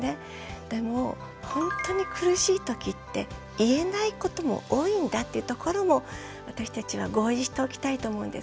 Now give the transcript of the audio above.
でも本当に苦しいときって言えないことも多いんだっていうところも私たちは合意しておきたいと思うんです。